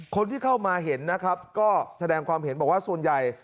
คนที่เข้ามาเห็นนะครับก็แสดงความเห็นบอกว่าส่วนใหญ่